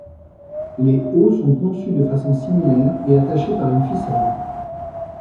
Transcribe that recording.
Les hauts sont conçus de façon similaire et attachés par une ficelle.